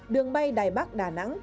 đường bay đài bắc đà nẵng